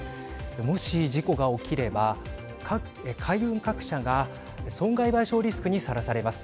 もし、事故が起きれば海運各社が損害賠償リスクにさらされます。